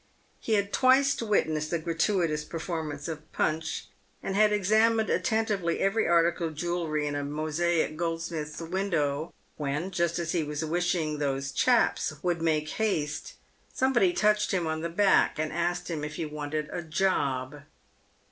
He had twice witnessed the gratuitous performance of Punch, and had examined attentively every article of jewellery in a mosaic goldsmith's window, when, just as he was wishing " those chaps" would make haste, somebody touched him on the back, and asked him if he wanted a job.